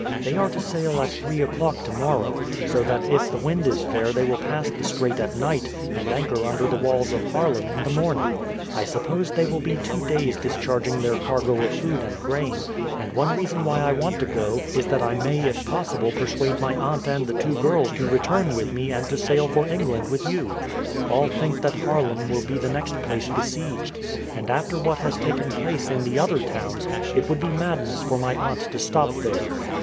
"They are to sail at three o'clock tomorrow, so that if the wind is fair they will pass the strait at night and anchor under the walls of Haarlem in the morning. I suppose they will be two days discharging their cargo of food and grain, and one reason why I want to go is that I may if possible persuade my aunt and the two girls to return with me and to sail for England with you. All think that Haarlem will be the next place besieged, and after what has taken place in the other towns it would be madness for my aunt to stop there."